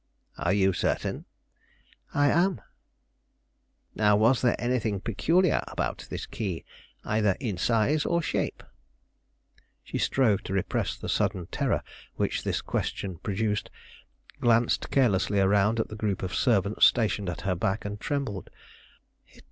"Are you certain?" "I am." "Now, was there anything peculiar about this key, either in size or shape?" She strove to repress the sudden terror which this question produced, glanced carelessly around at the group of servants stationed at her back, and trembled.